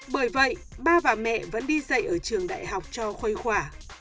bởi vậy ba và mẹ vẫn đi dạy ở trường đại học cho khuây khỏa